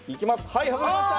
はい外れました！